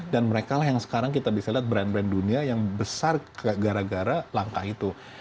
dan mereka lah yang sekarang kita bisa lihat brand brand dunia yang besar gara gara langkah itu